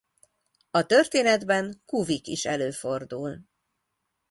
A történetben kuvik is előfordul.